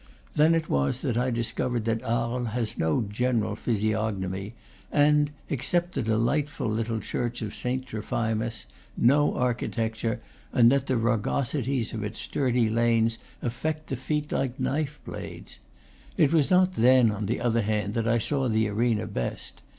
Then it was that I discovered that Arles has no general physiognomy, and, except the delightful little church of Saint Trophimus, no architecture, and that the rugosities of its dirty lanes affect the feet like knife blades. It was not then, on the other hand, that I saw the arena best.